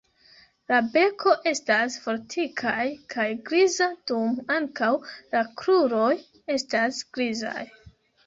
La beko estas fortikaj kaj griza, dum ankaŭ la kruroj estas grizaj.